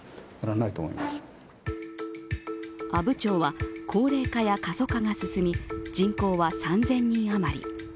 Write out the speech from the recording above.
阿武町は高齢化や過疎化が進み、人口は３０００人余り。